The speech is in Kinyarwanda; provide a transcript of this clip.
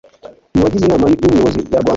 mu bagize Inama y Ubuyobozi ya Rwanda